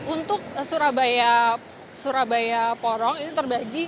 untuk surabaya porong ini terbagi rp lima belas